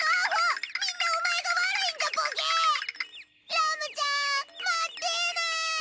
ラムちゃん待ってぇな！